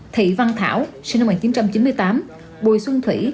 thị văn thảo sinh năm một nghìn chín trăm chín mươi tám bùi xuân thủy